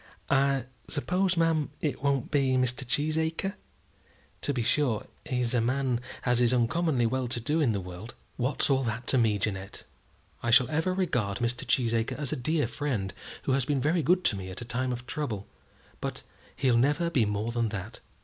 "I suppose, ma'am, it won't be Mr. Cheesacre? To be sure, he's a man as is uncommonly well to do in the world." "What's all that to me, Jeannette? I shall ever regard Mr. Cheesacre as a dear friend who has been very good to me at a time of trouble; but he'll never be more than that."